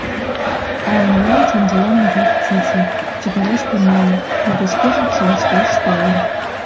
Ала-молан чонжылан рӱп чучо, чытыраш тӱҥале, пуйто шкежак шолышташ толын.